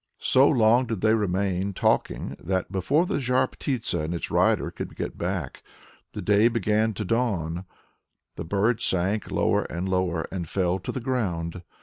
So long did they remain talking that, before the Zhar Ptitsa and his rider could get back, "the day began to dawn the bird sank lower and lower and fell to the ground."